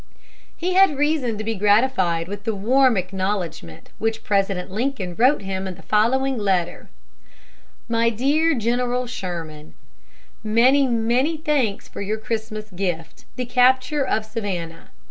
He had reason to be gratified with the warm acknowledgment which President Lincoln wrote him in the following letter: "MY DEAR GENERAL SHERMAN: Many, many thanks for your Christmas gift, the capture of Savannah.